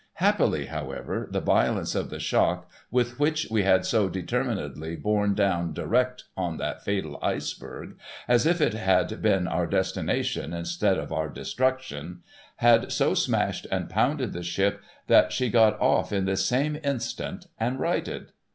Hap])ily, however, the violence of the shock with which we had so determinedly borne down direct on that fatal Iceberg, as if it had been our destination instead of our destruction, had so smashed and pounded the ship that she got off in this same instant and righted.